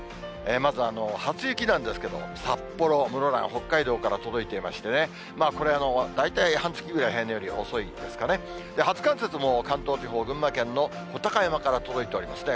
まず、初雪なんですけど、札幌、室蘭、北海道から届いていましてね、これ、大体半月ぐらい、平年より遅いですかね、初冠雪も関東地方、群馬県の武尊山から届いておりますね。